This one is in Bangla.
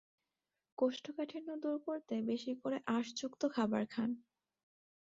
কোষ্ঠকাঠিন্য দূর করতে বেশি করে আঁশযুক্ত খাবার খান।